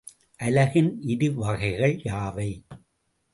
அலகின் இரு வகைகள் யாவை?